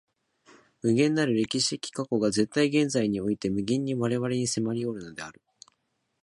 無限なる歴史的過去が絶対現在において無限に我々に迫りおるのである。